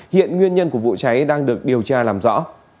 hiện nguyên nhân của vụ cháy đang được điều tra làm rõ